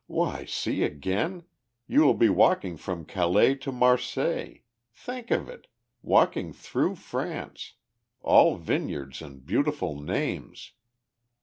Why, see again you will be walking from Calais to Marseilles think of it! walking through France, all vineyards and beautiful names.